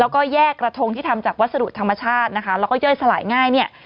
แล้วก็แยกกระทงที่ทำจากวัสดุธรรมชาตินะคะแล้วก็ย่อยสลายง่ายเนี่ย